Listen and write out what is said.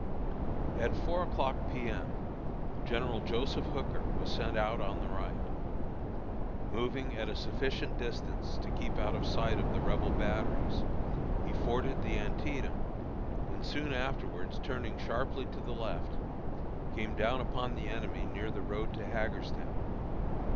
At four o'clock P. M., General Joseph Hooker was sent out on the right. Moving at a sufficient distance to keep out of sight of the Rebel batteries, he forded the Antietam, and, soon afterward turning sharply to the left, came down upon the enemy near the road to Hagerstown.